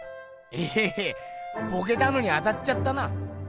えヘヘボケたのに当たっちゃったな！